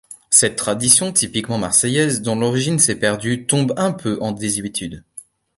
Cette tradition typiquement marseillaise dont l'origine s'est perdue tombe un peu en désuétude.